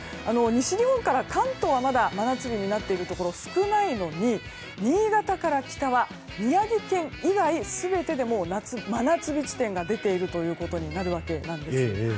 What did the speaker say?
西日本から関東はまだ真夏日になっているところは少ないのに新潟から北は宮城県以外全てでもう、真夏日地点が出ていることになる訳です。